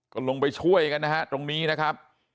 ก็ลงไปช่วยกันนะฮะตรงนี้นะครับ